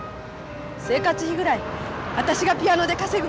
生活費ぐらい私がピアノで稼ぐわ。